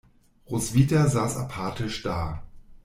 Roswitha saß apathisch da.